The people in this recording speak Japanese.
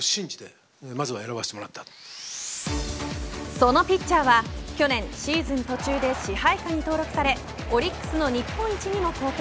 そのピッチャーは去年シーズン途中で支配下に登録されオリックスの日本一にも貢献。